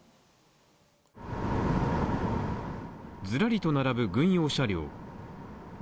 ずらりと並ぶ軍用車両。